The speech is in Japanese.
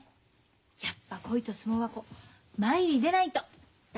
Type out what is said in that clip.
やっぱ恋と相撲はこう前に出ないと駄目ね。